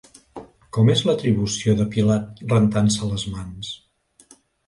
Com és l'atribució de Pilat rentant-se les mans?